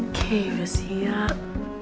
oke udah siap